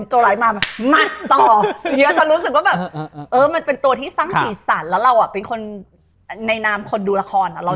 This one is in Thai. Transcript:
แต่พอเห็นตัวไร้มามาต่อ